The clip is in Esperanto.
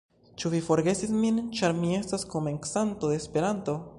Ĉu vi forgesis min, ĉar mi estas komencanto de Esperanto?